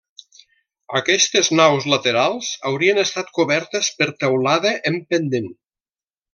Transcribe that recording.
Aquestes naus laterals haurien estat cobertes per teulada en pendent.